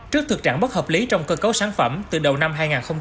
trước thực trạng bất hợp lý trong cơ cấu sản phẩm từ đầu năm hai nghìn hai mươi